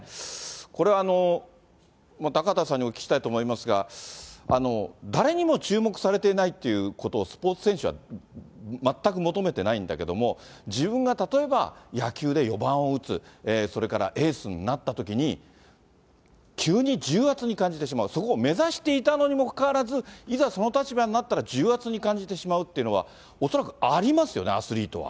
これは高畑さんにもお聞きしたいと思いますが、誰にも注目されていないということをスポーツ選手は、全く求めてないんだけども、自分が例えば野球で４番を打つ、それからエースになったときに、急に重圧に感じてしまう、そこを目指していたのにもかかわらず、いざ、その立場になったら、重圧に感じてしまうっていうのは、恐らくありますよね、アスリートは。